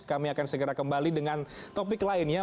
kami akan segera kembali dengan topik lainnya